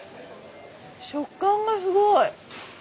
食感がすごい。